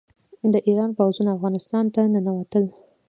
د ایران پوځونه افغانستان ته ننوتل.